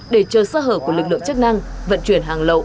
để chờ sơ hở của lực lượng chức năng vận chuyển hàng lậu